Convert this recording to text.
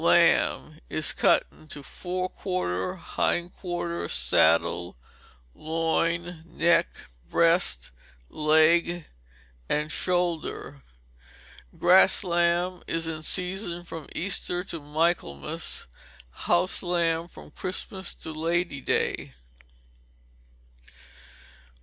Lamb is cut into fore quarter and hind quarter; saddle; loin; neck; breast; leg; and shoulder. _Grass lamb is in season from Easter to Michaelmas; house lamb from Christmas to Lady day.